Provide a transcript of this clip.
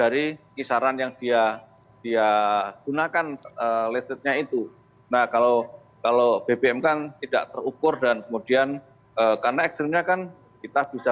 risetnya itu nah kalau kalau bbm kan tidak terukur dan kemudian karena ekstrimnya kan kita bisa